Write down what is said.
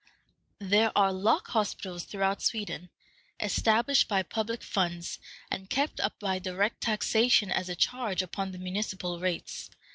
There are Lock Hospitals throughout Sweden, established by public funds, and kept up by direct taxation as a charge upon the municipal rates.